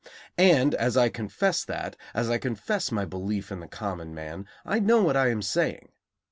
And as I confess that, as I confess my belief in the common man, I know what I am saying.